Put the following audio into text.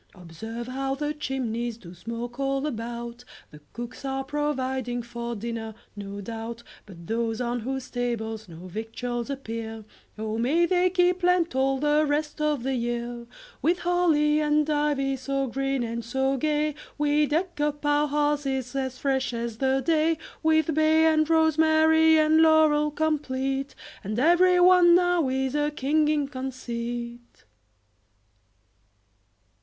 Observe how the chimneys Do smoke all about; The cooks are providing For dinner, no doubt; But those on whose tables No victuals appear, O may they keep Lent All the rest of the year. With holly and ivy So green and so gay, We deck up our houses As fresh as the day; With bay and rosemary And laurel complete; And every one now Is a king in conceit.